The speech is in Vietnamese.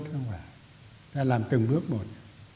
ta làm từng bước một